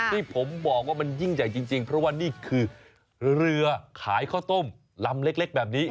ที่ผมบอกว่ามันยิ่งใหญ่จริงเพราะว่านี่คือเรือขายข้าวต้มลำเล็กแบบนี้